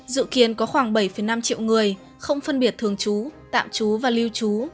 dự kiến có khoảng bảy năm triệu người không phân biệt thường trú tạm trú và lưu trú